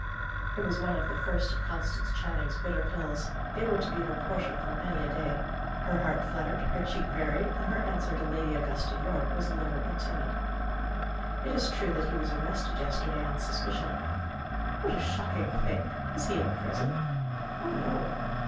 It was one of the first of Constance Channing's bitter pills; they were to be her portion for many a day. Her heart fluttered, her cheek varied, and her answer to Lady Augusta Yorke was low and timid. "It is true that he was arrested yesterday on suspicion." "What a shocking thing! Is he in prison?" "Oh no."